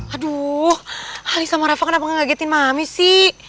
aduh ali sama rafa kenapa ngagetin mami sih